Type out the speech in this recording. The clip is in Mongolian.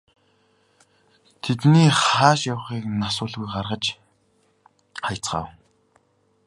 Тэдний хааш явахыг ч асуулгүй гаргаж хаяцгаав.